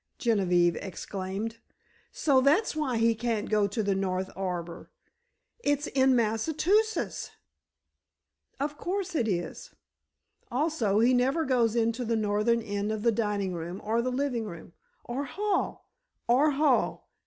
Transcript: Genevieve exclaimed. "So that's why he can't go to the north arbor—it's in Massachusetts!" "Of course it is. Also, he never goes into the northern end of the dining room or the living room." "Or hall." "Or hall.